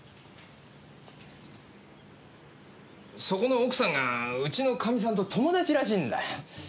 そこの奥さんがうちのかみさんと友達らしいんだ。